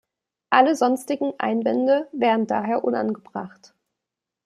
Alle sonstigen Einwände wären daher unangebracht.